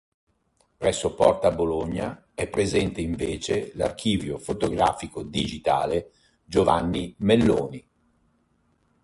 Presso Porta Bologna è presente invece l'archivio fotografico digitale "Giovanni Melloni".